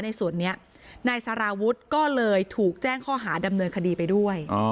ในส่วนนี้นายสารวุฒิก็เลยถูกแจ้งข้อหาดำเนินคดีไปด้วย